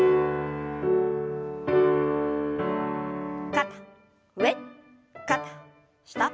肩上肩下。